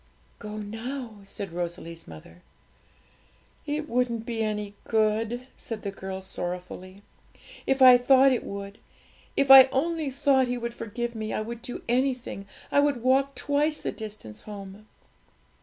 'Go now,' said Rosalie's mother. 'It wouldn't be any good,' said the girl sorrowfully; 'if I thought it would if I only thought He would forgive me, I would do anything I would walk twice the distance home!'